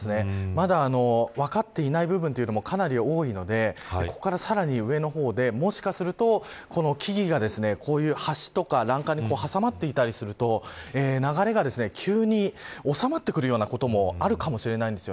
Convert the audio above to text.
まだ分かっていない部分もかなり多いのでここからさらに上の方でもしかすると、木々が橋とか欄干に挟まっていたりすると流れが急に収まってくるようなこともあるかもしれないんです。